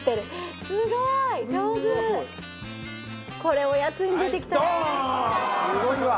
すごいわ。